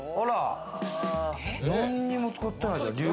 何も使ってないじゃん。